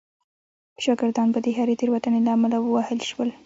شاګردان به د هرې تېروتنې له امله ووهل شول.